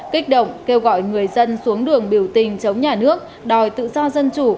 kích động kêu gọi người dân xuống đường biểu tình chống nhà nước đòi tự do dân chủ